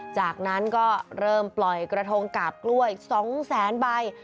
จากนั้นก็เริ่มปล่อยกระทงกาบกล้วย๒แสนใบ